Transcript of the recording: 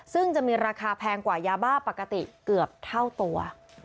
ซึ่งจะมีราคาแพงกว่ายาบ้าปกติเกือบเท่าตัว